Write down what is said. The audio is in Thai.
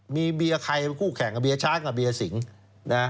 มีเบียร์ใครเป็นคู่แข่งกับเบียร์ช้างกับเบียร์สิงนะ